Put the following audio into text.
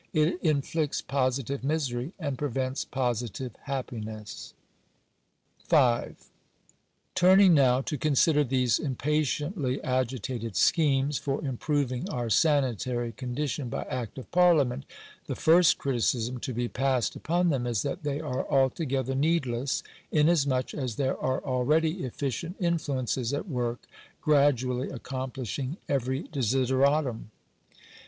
It inflicts positive misery, and prevents positive happiness. §5. Turning now to consider these impatiently agitated schemes for improving our sanitary condition by act of parliament, the first criticism to be passed upon them is that they are altogether needless, inasmuch as there are already efficient influences at work gradually accomplishing every desideratum.